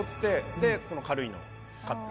でこの軽いのを買って。